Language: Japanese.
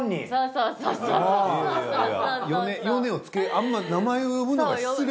あんま名前を呼ぶのは失礼。